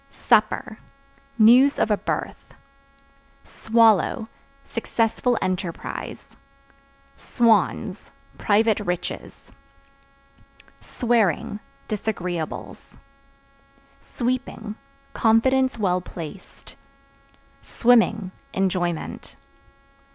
Supper News of a birth. Swallow Successful enterprise. Swans Private riches. Swearing Disagreeables. Sweeping Confidence well placed. Swimming Enjoyment.